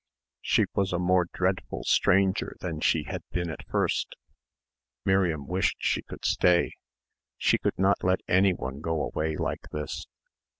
She was a more dreadful stranger than she had been at first ... Miriam wished she could stay. She could not let anyone go away like this.